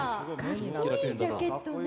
かっこいいジャケットね。